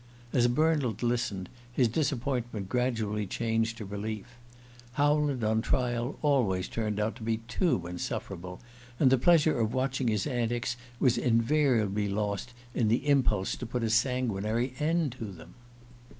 As Bernald listened, his disappointment gradually changed to relief. Howland, on trial, always turned out to be too insufferable, and the pleasure of watching his antics was invariably lost in the impulse to put a sanguinary end to them.